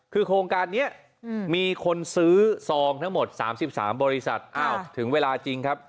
คือโครงการนี้มีคนซื้อซองทั้งหมด๓๓บริษัทอ้าวถึงเวลาจริงครับ